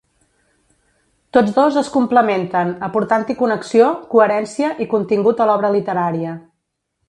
Tots dos es complementen, aportant-hi connexió, coherència i contingut a l'obra literària.